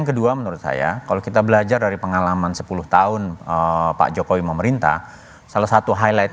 nah itu ada kesepakatan elit